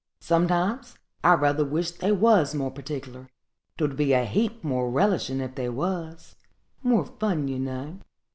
Sometimes I rather wish they was more particular; 'twould be a heap more relishin' if they was,—more fun, yer know."